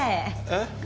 えっ？